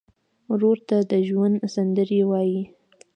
ورور ته د ژوند سندرې وایې.